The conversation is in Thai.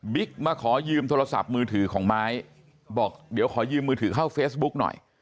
มาขอยืมโทรศัพท์มือถือของไม้บอกเดี๋ยวขอยืมมือถือเข้าเฟซบุ๊กหน่อย